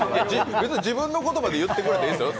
自分の言葉で言ってくれていいんですよ。